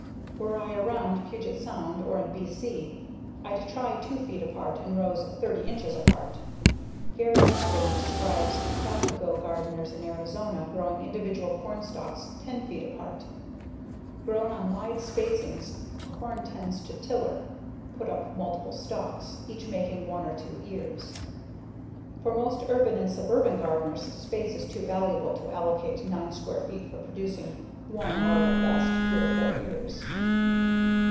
Were I around Puget Sound or in B.C. I'd try 2 feet apart in rows 30 inches apart. Gary Nabhan describes Papago gardeners in Arizona growing individual cornstalks 10 feet apart. Grown on wide spacings, corn tends to tiller (put up multiple stalks, each making one or two ears). For most urban and suburban gardeners, space is too valuable to allocate 9 square feet for producing one or at best three or four ears.